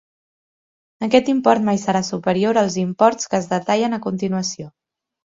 Aquest import mai serà superior als imports que es detallen a continuació.